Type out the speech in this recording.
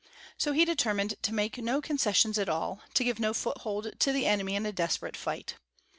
So he determined to make no concessions at all, to give no foothold to the enemy in a desperate fight.